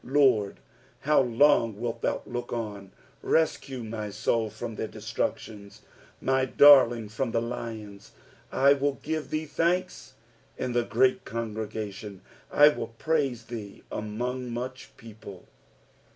17 Lord, how long wilt thou look on ? rescue my soul from their destructions, my darling from the lions. 18 I will give thee thanks in the great congregation: I will praise thee among much people.